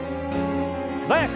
素早く。